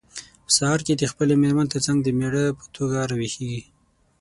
په سهار کې د خپلې مېرمن ترڅنګ د مېړه په توګه راویښیږي.